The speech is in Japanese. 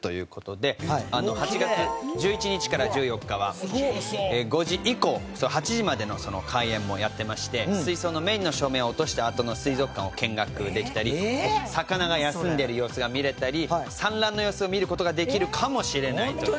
８月１１日から１４日は５時以降８時までの開園もやってまして水槽のメインの照明を落としたあとの水族館を見学できたり魚が休んでる様子が見れたり産卵の様子を見る事ができるかもしれない。